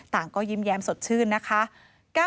ก็ยิ้มแย้มสดชื่นนะคะ